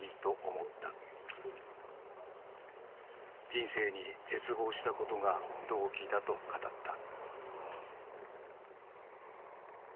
人生に絶望したことが動機だと語った。